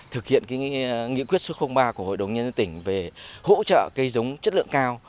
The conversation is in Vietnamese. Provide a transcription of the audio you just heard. thực hiện nghị quyết số ba của hội đồng nhân dân tỉnh về hỗ trợ cây giống chất lượng cao